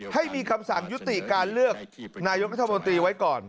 ให้มีคำสั่งยุติการเลือกนายกรัฐมนตรีไว้ก่อน